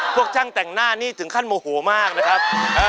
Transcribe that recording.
พวกช่างแต่งหน้านี่ถึงขั้นโมโหมากนะครับ